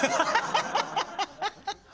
ハハハハハ。